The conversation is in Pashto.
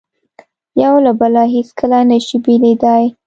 یو له بله هیڅکله نه شي بېلېدای.